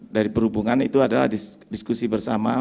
dari perhubungan itu adalah diskusi bersama